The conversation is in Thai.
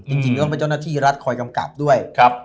จริงก็ต้องเป็นเจ้าหน้าที่รัฐคอยกำกับด้วย